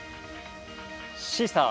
シーサー！